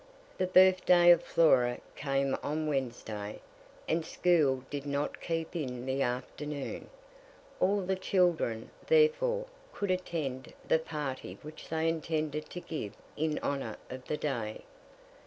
The birthday of Flora came on Wednesday, and school did not keep in the afternoon. All the children, therefore, could attend the party which they intended to give in honor of the day.